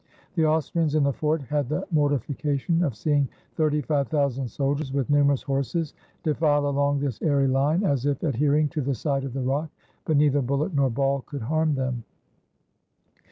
The Austrians in the fort had the mortification of seeing thirty five thousand soldiers, with numerous horses, de file along this airy line, as if adhering to the side of the rock, but neither bullet nor ball could harm them.